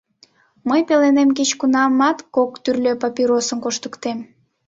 Мый пеленем кеч-кунамат кок тӱрлӧ папиросым коштыктем.